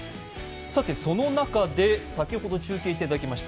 その中で、先ほど中継していただきました